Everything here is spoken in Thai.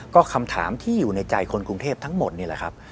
ก็คำถามที่อยู่ในใจคนกรุงเทพทั้งหมดนี่แหละครับ